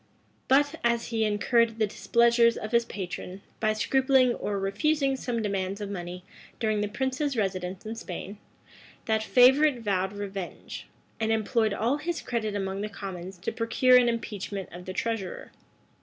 But, as he incurred the displeasure of his patron, by scrupling or refusing some demands of money during the prince's residence in Spain, that favorite vowed revenge, and employed all his credit among the commons to procure an impeachment of the treasurer.